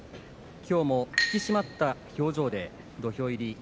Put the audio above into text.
きょうも引き締まった表情で土俵入り。